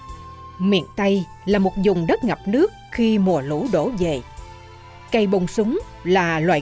những con người đi hái miền tây là một dùng đất ngập nước khi mùa lũ đổ về cây bồng súng là loại